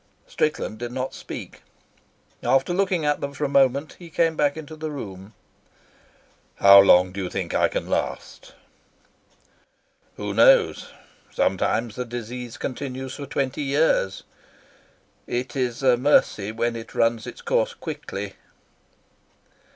Strickland did not speak. After looking at them for a moment, he came back into the room. "How long do you think I can last?" "Who knows? Sometimes the disease continues for twenty years. It is a mercy when it runs its course quickly."